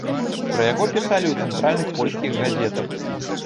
Пра яго пісалі ў цэнтральных польскіх газетах.